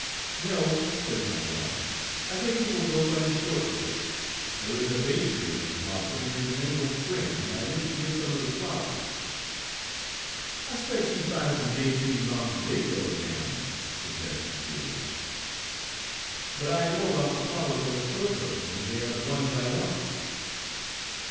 "No," said my wife, "I think we will go by the short road. There is a baytree in blossom near the mineral spring, and I wish to get some of the flowers." "I 'spec's you'd fin' some bay trees 'long de big road, ma'm," suggested Julius. "But I know about the flowers on the Page 200 short road, and they are the ones I want."